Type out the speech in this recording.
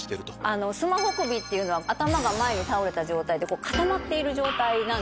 スマホ首っていうのは頭が前に倒れた状態で固まっている状態なんですね。